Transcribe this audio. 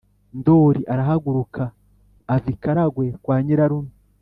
” ndoli arahaguruka ava i karagwe kwa nyirarume